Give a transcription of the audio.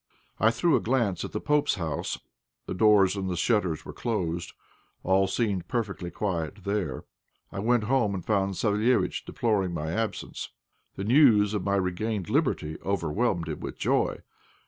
I threw a glance at the pope's house. The doors and the shutters were closed; all seemed perfectly quiet there. I went home and found Savéliitch deploring my absence. The news of my regained liberty overwhelmed him with joy.